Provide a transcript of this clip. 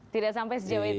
tidak sampai sejauh itu